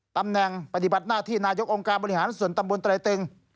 ตำแหน่งปฏิบัติหน้าที่นายกองค์การบริหารส่วนตำบลไตรเต็ง